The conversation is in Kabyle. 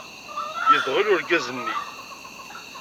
Yedɣel urgaz-nni!